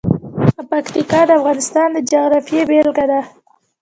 پکتیکا د افغانستان د جغرافیې بېلګه ده.